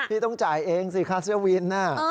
พี่ต้องจ่ายเองสิค่าเสื้อวิน